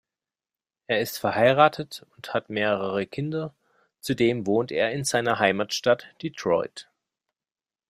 Er ist verheiratet und hat mehrere Kinder, zudem wohnt er in seiner Heimatstadt Detroit.